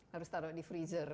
harus taruh di freezer